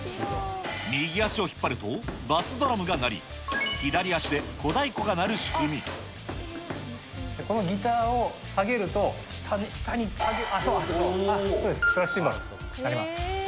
右足を引っ張るとバスドラムが鳴り、このギターを下げると、下に下げて、あっ、そう、クラッシュシンバルになります。